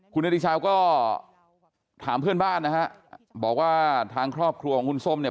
คุณนาฬิชาวก็ถามเพื่อนบ้านนะฮะบอกว่าทางครอบครัวของคุณส้มเนี่ย